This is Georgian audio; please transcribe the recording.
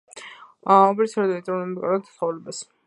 უპირატესად ეწევიან მკვიდრ ცხოვრებას.